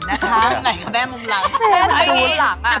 ไหนคะแม่มุมหลังแม่มุมหลังมากบันใจแม่มุมหลัง